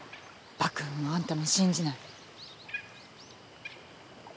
幕府もあんたも信じない。